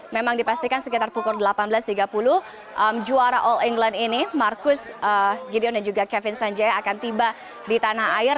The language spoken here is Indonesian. memang dipastikan sekitar pukul delapan belas tiga puluh juara all england ini marcus gideon dan juga kevin sanjaya akan tiba di tanah air